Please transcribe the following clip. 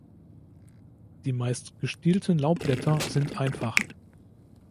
Die meist gestielten Laubblätter sind einfach.